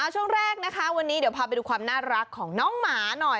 ช่วงแรกนะคะวันนี้เดี๋ยวพาไปดูความน่ารักของน้องหมาหน่อย